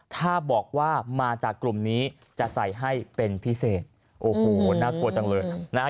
ถ้าบอกว่ามาจากกลุ่มนี้จะใส่ให้เป็นพิเศษโอ้โหน่ากลัวจังเลยนะฮะ